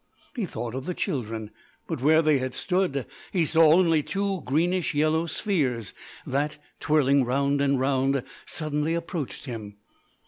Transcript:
He thought of the children; but where they had stood he saw only two greenish yellow spheres that, twirling round and round, suddenly approached him.